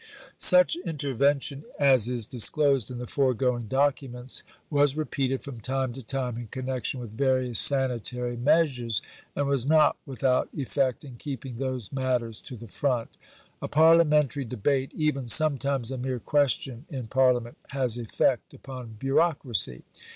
Such intervention, as is disclosed in the foregoing documents, was repeated from time to time in connection with various sanitary measures, and was not without effect in keeping those matters to the front. A parliamentary debate, even sometimes a mere question in Parliament, has effect upon bureaucracy.